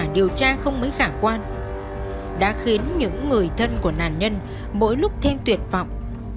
đã khiến những người thân của nạn nhân mỗi lúc thêm tuyệt vọng